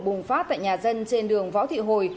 bùng phát tại nhà dân trên đường võ thị hồi